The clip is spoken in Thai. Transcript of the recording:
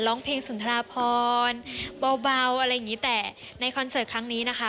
ร้องเพลงสุนทราพรเบาอะไรอย่างงี้แต่ในคอนเสิร์ตครั้งนี้นะคะ